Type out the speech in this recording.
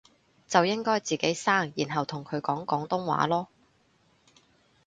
就應該自己生然後同佢講廣東話囉